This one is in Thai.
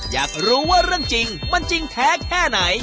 อยากรู้ว่าเรื่องจริงมันจริงแท้แค่ไหน